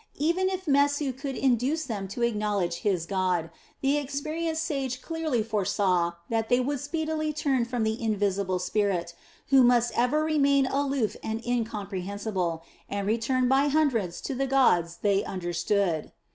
Even if Mesu should induce them to acknowledge his God, the experienced sage clearly foresaw that they would speedily turn from the invisible Spirit, who must ever remain aloof and incomprehensible, and return by hundreds to the gods they understood.